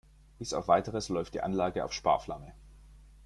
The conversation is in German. Bis auf Weiteres läuft die Anlage auf Sparflamme.